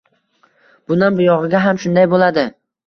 bundan buyog'iga ham shunday bo'ladi.